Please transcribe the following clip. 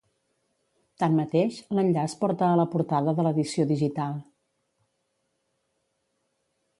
Tanmateix, l’enllaç porta a la portada de l’edició digital.